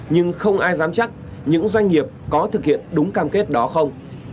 nhưng không ai dám chắc những doanh nghiệp có thực hiện đúng cam kết đó không